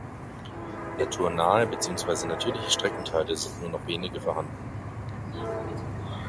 Naturnahe beziehungsweise natürliche Streckenteile sind nur noch wenige vorhanden.